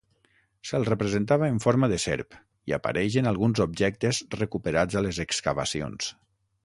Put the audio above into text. Se'l representava en forma de serp, i apareix en alguns objectes recuperats a les excavacions.